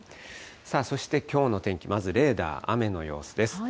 そしてきょうの天気、まずレーダー、雨の様子です。